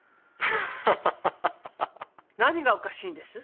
何がおかしいんです？